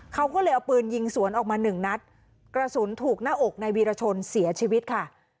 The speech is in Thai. เขาก็เลยเอาปืนยิงสวนออกมาหนึ่งนัดกระสุนถูกหน้าอกในวีรชนเสียชีวิตค่ะ